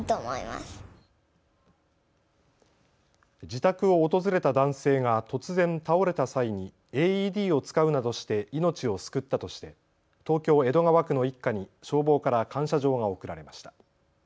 自宅を訪れた男性が突然倒れた際にＡＥＤを使うなどして命を救ったとして東京江戸川区の一家に消防から感謝状が贈られました。